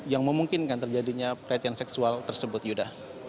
yang memungkinkan terjadinya perhatian seksual tersebut yudha